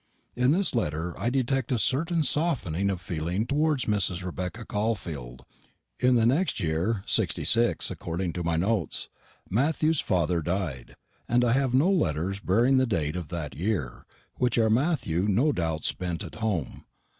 In this letter I detect a certain softening of feeling towards Mrs. Rebecca Caulfield. In the next year '66 according to my notes, Matthew's father died, and I have no letters bearing the date of that year, which our Matthew no doubt spent at home.